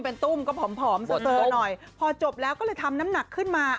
เป็นตุ้มก็ผอมเซอร์หน่อยพอจบแล้วก็เลยทำน้ำหนักขึ้นมา